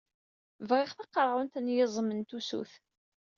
Bɣiɣ taqerɛunt n yiẓem n tusut.